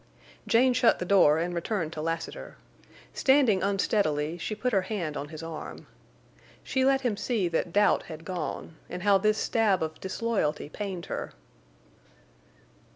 Jane shut the door and returned to Lassiter. Standing unsteadily, she put her hand on his arm. She let him see that doubt had gone, and how this stab of disloyalty pained her.